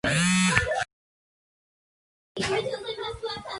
Fue la primera catedral anglicana que se construyó fuera de las Islas Británicas.